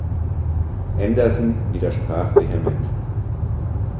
Anderson widersprach vehement.